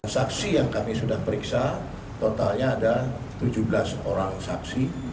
saksi yang kami sudah periksa totalnya ada tujuh belas orang saksi